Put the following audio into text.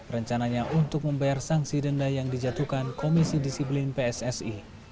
rencananya untuk membayar sanksi denda yang dijatuhkan komisi disiplin pssi